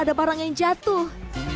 ada barang yang jatuh